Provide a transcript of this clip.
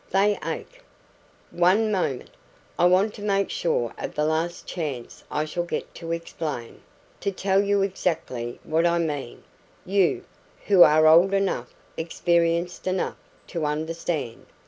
They ache." "One moment. I want to make sure of the last chance I shall get to explain to tell you exactly what I mean you, who are old enough, experienced enough, to understand.